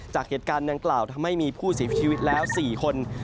จากเหตุการณ์ดังกล่าวทำให้มีผู้เสียชีวิตแล้ว๔คน